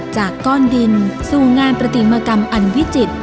จากก้อนดินสู่งานปฏิมกรรมอันวิจิตร